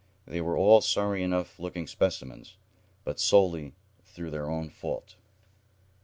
They were all sorry enough looking specimens, but solely through their own fault.